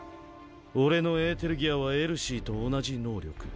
俺のエーテルギアはエルシーと同じ能力。